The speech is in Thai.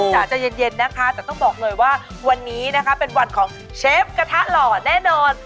จ๋าใจเย็นนะคะแต่ต้องบอกเลยว่าวันนี้นะคะเป็นวันของเชฟกระทะหล่อแน่นอน